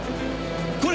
これ！